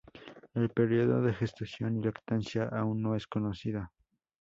El periodo de gestación y lactancia aun no es conocido.